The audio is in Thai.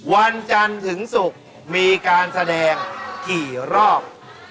วันจันทร์ถึงศุกร์มีการแสดงกี่รอบ